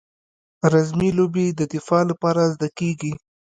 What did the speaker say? رزمي لوبې د دفاع لپاره زده کیږي.